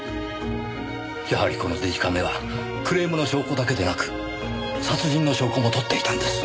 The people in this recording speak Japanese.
やはりこのデジカメはクレームの証拠だけでなく殺人の証拠も撮っていたんです。